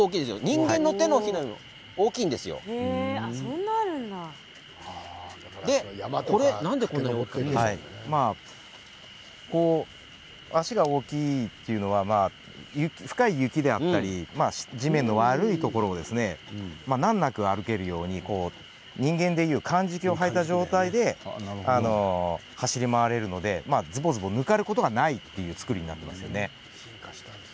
人間の手のひらぐらい足が大きいというのは深い雪であったり地面の悪いところを難なく歩けるように人間でいうかんじきを履いた状態で走り回れるのでずぼずぼぬかることがないという作りになっています。